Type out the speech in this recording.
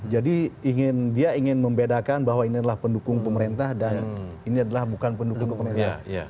jadi dia ingin membedakan bahwa ini adalah pendukung pemerintah dan ini adalah bukan pendukung pemerintah